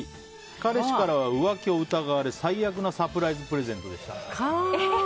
彼氏からは浮気を疑われ、最悪のサプライズプレゼントでした。